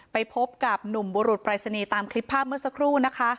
ไปพบกับหนุ่มบุรุษปรายศนีย์ตามคลิปภาพเมื่อสักครู่นะคะ